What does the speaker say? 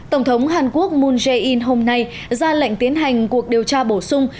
tổng thống hàn quốc moon jae in hôm nay ra lệnh tiến hành cuộc điều tra bổ sung